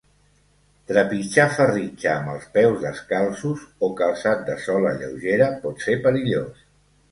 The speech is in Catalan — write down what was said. Trepitjar ferritja amb els peus descalços o calçat de sola lleugera pot ser perillós.